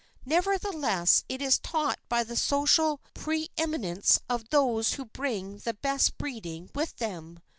Nevertheless it is taught by the social preeminence of those who bring the best breeding with them.